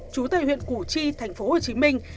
chú tài huyện củ chi thành phố hồ chí minh